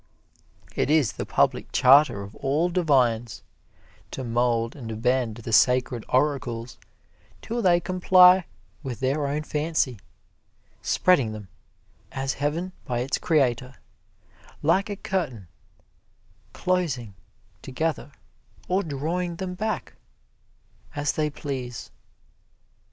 It is the public charter of all divines, to mold and bend the sacred oracles till they comply with their own fancy, spreading them (as Heaven by its Creator) like a curtain, closing together, or drawing them back, as they please.